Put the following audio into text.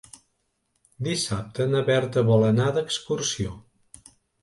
Dissabte na Berta vol anar d'excursió.